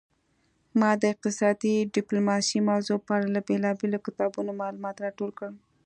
ما د اقتصادي ډیپلوماسي موضوع په اړه له بیلابیلو کتابونو معلومات راټول کړل